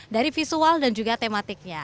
dari visual dan juga tematiknya